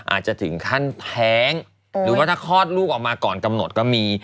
อาจจะถึงขั้นแท้งหรือว่าถ้าคลอดลูกออกมาก่อนกำหนดก็มี